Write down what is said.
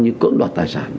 như cưỡng đoạt tài sản